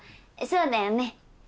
そうだよね。